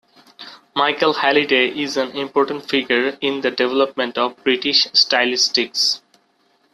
Michael Halliday is an important figure in the development of British stylistics.